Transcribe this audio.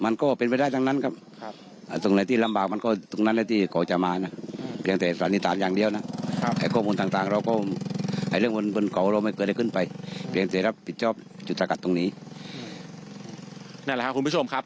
นั่นแหละครับคุณผู้ชมครับ